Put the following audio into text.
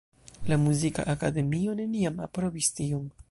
La muzika akademio neniam aprobis tion.